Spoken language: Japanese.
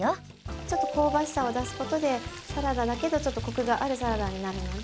ちょっと香ばしさを出すことでサラダだけどちょっとコクがあるサラダになるので。